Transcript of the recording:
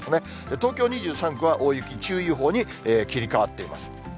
東京２３区は大雪注意報に切り替わっています。